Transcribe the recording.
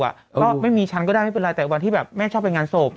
ก็ไม่มีฉันก็ได้ไม่เป็นไรแต่วันที่แบบแม่ชอบไปงานศพ